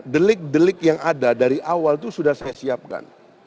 delik delik yang ada dari awal itu sudah saya siapkan